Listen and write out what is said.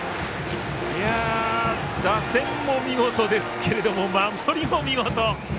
打線も見事ですが守りも見事。